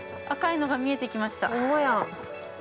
赤いのが見えてきました。